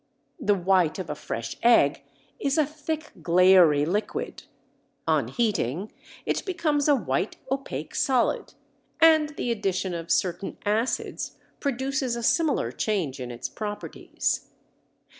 The white of a fresh egg is a thick glairy liquid. On heating it becomes a white opaque solid, and the addition of certain acids produces a similar change in its properties.